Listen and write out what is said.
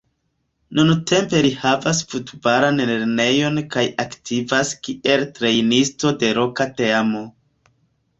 Nuntempe li havas futbalan lernejon kaj aktivas kiel trejnisto de loka teamo.